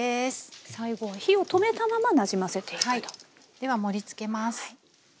では盛りつけます。